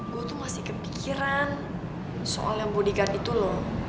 gue tuh masih kepikiran soal yang bodyguard itu loh